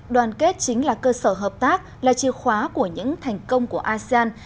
đoàn kết chính là cơ sở hợp tác là chìa khóa của những thành công của asean